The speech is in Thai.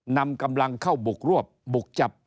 นำกำลังเข้าบุกรวบบุกจับ